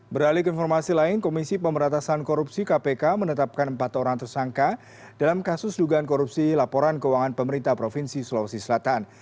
beralik informasi lain komisi pemberatasan korupsi kpk menetapkan empat orang tersangka dalam kasus dugaan korupsi laporan keuangan pemerintah provinsi sulawesi selatan